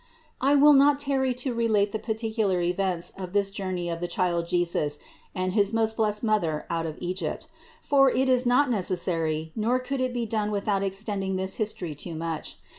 705. I will not tarry to relate the particular events of this journey of the Child Jesus and his most blessed Mother out of Egypt; for it is not necessary, nor could it be done without extending this history too much.